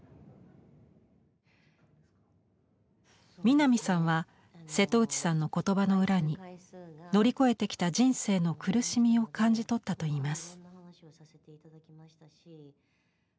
南さんは瀬戸内さんのことばの裏に乗り越えてきた人生の苦しみを感じとったといいます。